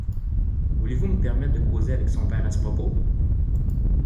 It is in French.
Voulez-vous me permettre de causer avec son père à ce propos?